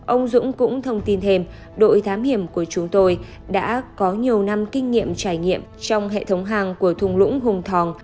ông dũng cũng thông tin thêm đội thám hiểm của chúng tôi đã có nhiều năm kinh nghiệm trải nghiệm trong hệ thống hàng của thùng lũng hùng thòng